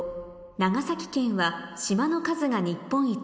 長崎県は島の数が日本一